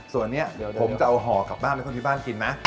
ส่วนนี้เดี๋ยวผมจะเอาห่อกลับบ้านให้คนที่บ้านกินนะ